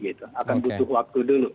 akan butuh waktu dulu